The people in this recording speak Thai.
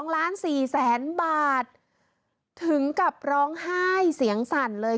๒ล้าน๔แสนบาทถึงกับร้องไห้เสียงสั่นเลย